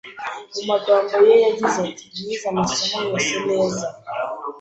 Mu magambo ye yagize ati “Nize amasomo yose neza,